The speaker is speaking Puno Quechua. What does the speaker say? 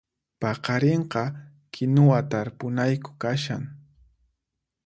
Paqarinqa kinuwa tarpunayku kashan